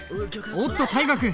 おっと大河君！